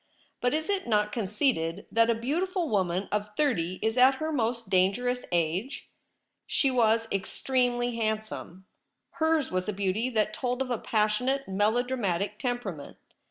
But is it not conceded that a beautiful woman of thirty is at her most dangerous age ? She was extremely hand some. Hers was a beauty that told of a passionate melodramatic temperament.